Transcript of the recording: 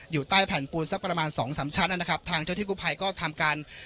อยู่ใต้แผ่นปูนสักประมาณสองสามชั้นนะครับทางเจ้าที่กู้ภัยก็ทำการ